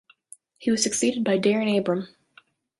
He was succeeded by Darren Abram.